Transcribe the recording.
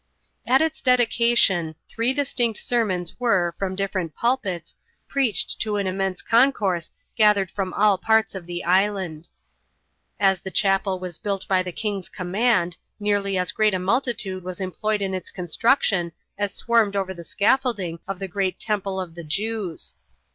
At its dedication, three distinct sermons were, from different pulpits, preached to an immense concourse gathered from all parts of the island. As the chapel was built by the king's command, nearly as great a multitude was employed in its construction as swarmed over the scaffolding of the great temple of the Jews.